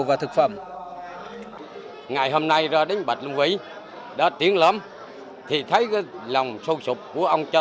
và thực phẩm ngày hôm nay ra đến bạch long vĩ đã tiến lắm thì thấy cái lòng sâu sụp của ông cho